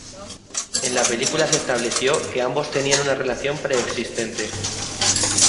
En la película se estableció que ambos tenían una relación pre-existente.